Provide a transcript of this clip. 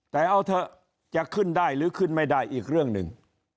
แต่เอาเถอะจะขึ้นได้หรือขึ้นไม่ได้อีกเรื่องหนึ่ง